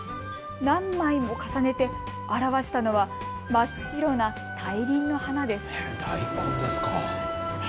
何枚も重ねて表したのは真っ白な大輪の花です。